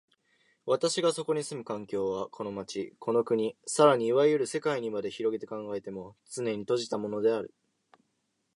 私がそこに住む環境は、この町、この国、更にいわゆる世界にまで拡げて考えても、つねに閉じたものである。